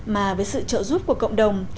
mà với sự trợ giúp của cộng đồng